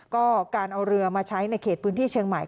ก็การเอาเรือมาใช้ในเขตพื้นที่เชียงใหม่